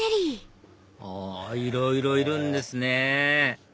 あいろいろいるんですね